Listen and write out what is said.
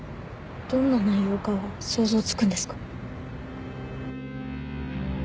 どんな内容かは想像つくんですか？